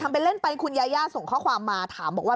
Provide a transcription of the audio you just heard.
ทำเป็นเล่นเป็นคุณยาย่าส่งข้อความมาถามบอกว่า